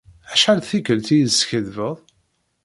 Acḥal d tikelt i yi-d-teskaddbeḍ?